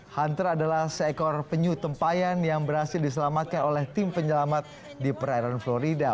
hunter adalah seekor penyu tempayan yang berhasil diselamatkan oleh tim penyelamat di perairan florida